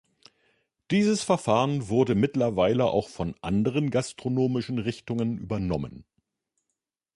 Dieses Verfahren wurde mittlerweile auch von anderen gastronomischen Richtungen übernommen.